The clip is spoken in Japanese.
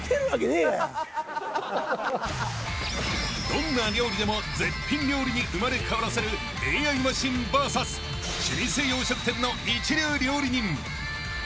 ［どんな料理でも絶品料理に生まれ変わらせるＡＩマシンＶＳ老舗洋食店の一流料理人］